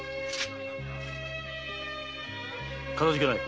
かたじけない。